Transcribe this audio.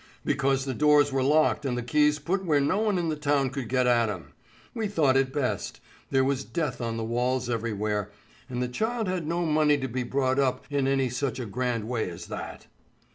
"Because the doors were locked and the keys put where no one in the town could get at 'em. We thought it best; there was death on the walls everywhere, and the child had no money to be brought up in any such a grand way as that."